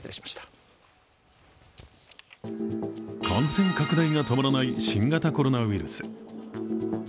感染拡大が止まらない新型コロナウイルス。